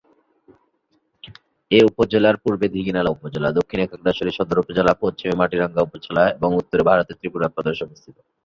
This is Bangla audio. এ উপজেলার পূর্বে দীঘিনালা উপজেলা, দক্ষিণে খাগড়াছড়ি সদর উপজেলা, পশ্চিমে মাটিরাঙ্গা উপজেলা এবং উত্তরে ভারতের ত্রিপুরা প্রদেশ অবস্থিত।